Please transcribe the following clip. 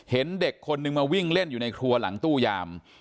เห็นเด็กคนนึงมาวิ่งเล่นอยู่ในครัวหลังตู้ยาม